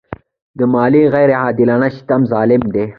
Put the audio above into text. د مالیې غیر عادلانه سیستم ظلم دی.